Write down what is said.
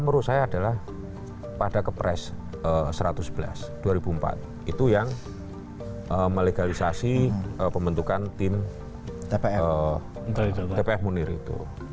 menurut saya adalah pada kepres satu ratus sebelas dua ribu empat itu yang melegalisasi pembentukan tim tpf munir itu